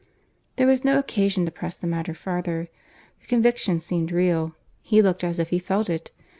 There was no occasion to press the matter farther. The conviction seemed real; he looked as if he felt it.